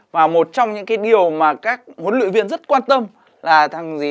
và một trong những cái điều mà các huấn luyện viên rất quan tâm là thằng gì